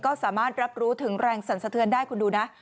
ก็สามารถรับรู้ถึงแรงสรรสะเทือนได้คุณดูนะ